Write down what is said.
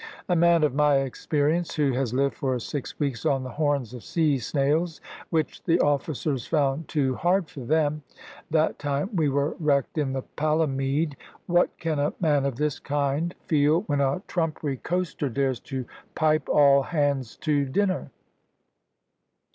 A man of my experience, who has lived for six weeks on the horns of sea snails, which the officers found too hard for them, that time we were wrecked in the Palamede what can a man of this kind feel when a trumpery coaster dares to pipe all hands to dinner?